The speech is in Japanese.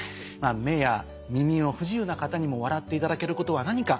目や耳の不自由な方にも笑っていただけることは何か？